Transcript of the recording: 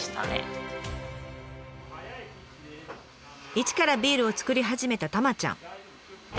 一からビールをつくり始めたたまちゃん。